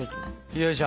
よいしょ。